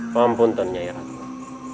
ya tuhan ya tuhan